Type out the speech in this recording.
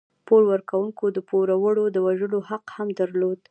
پور ورکوونکو د پوروړي د وژلو حق هم درلود.